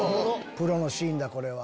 プロのシーンだこれは。